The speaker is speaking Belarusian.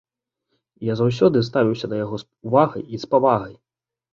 І я заўсёды ставіўся да яго з увагай і з павагай.